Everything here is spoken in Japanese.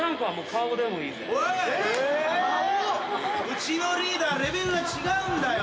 うちのリーダーレベルが違うんだよ。